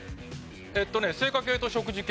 えっとね青果系と食事系。